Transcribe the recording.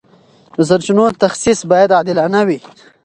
د سرچینو تخصیص باید عادلانه وي.